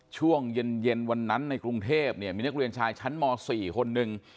ช่วงเย็นวันนั้นในกรุงเทพเนี่ยมีนักเรียนชายชั้นม๔คนหนึ่ง